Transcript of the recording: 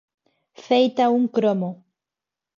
Feita un cromo.